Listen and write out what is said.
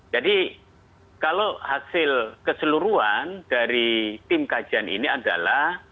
jadi kalau hasil keseluruhan dari tim kajian ini adalah